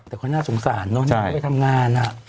แต่คนน่าสงสารเนอะไม่ได้ทำงาน